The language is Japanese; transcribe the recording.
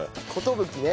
寿ね。